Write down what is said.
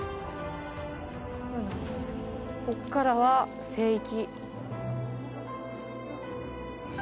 ここからは聖域。